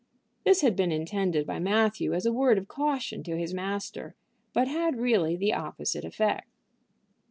This had been intended by Matthew as a word of caution to his master, but had really the opposite effect.